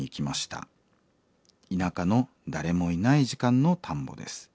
田舎の誰もいない時間の田んぼです。